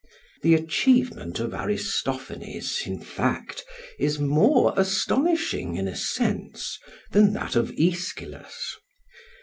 The achievement of Aristophanes, in fact, is more astonishing, in a sense, than that of Aeschylus.